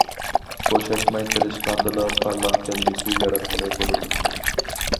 بوشاشماي تىرىشقاندىلا، پارلاق كەلگۈسى ياراتقىلى بولىدۇ.